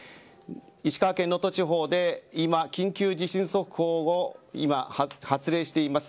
石川県能登地方で今、緊急地震速報を発令しています。